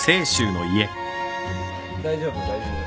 大丈夫大丈夫。